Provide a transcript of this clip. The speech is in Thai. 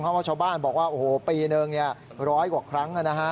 เพราะว่าชาวบ้านบอกว่าโอ้โหปีหนึ่งร้อยกว่าครั้งนะฮะ